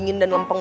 sampai jumpa lagi